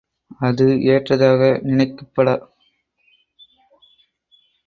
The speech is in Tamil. அது ஏற்றதாக நினக்குப் படாமையால் மீண்டும் கேட்டாய்.